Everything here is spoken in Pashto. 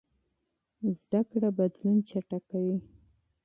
تعلیم بدلون چټکوي.